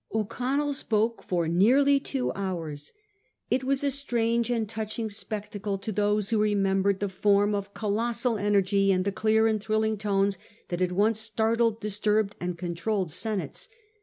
O'Connell spoke for nearly two hours. 'It was a strange and touching spectacle to those who remembered the form of colossal energy and the clear and thrilling tones that had once startled, dis turbed and controlled senates.